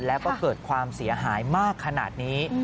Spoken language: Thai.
แล้วก็เกิดความเสียหายมากขนาดนี้